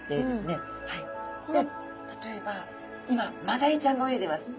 で例えば今マダイちゃんが泳いでます。